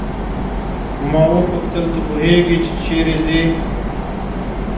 ما وپوښتل ته پوهیږې چې چیرې ځې.